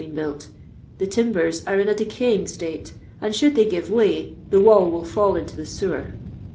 been built ; the timben are in a decaying state, and should they giTO way, thi wall will fiill into the sewer.